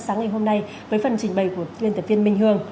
sáng ngày hôm nay với phần trình bày của biên tập viên minh hương